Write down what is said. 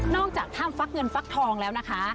จากถ้ำฟักเงินฟักทองแล้วนะคะ